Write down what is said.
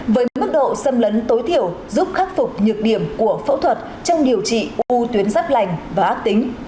với mức độ xâm lấn tối thiểu giúp khắc phục nhược điểm của phẫu thuật trong điều trị u tuyến giáp lành và ác tính